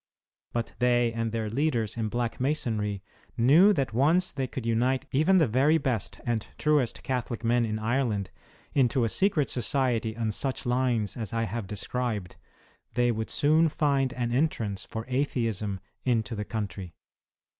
But they and their leaders in Black Masonry knew that once they could unite even the very best and truest Catholic men in Ireland into a secret society on such lines as I have described, they would soon find an entrance for Atheism into the country.